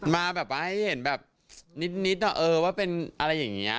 มาแบบว่าให้เห็นแบบนิดว่าเป็นอะไรอย่างนี้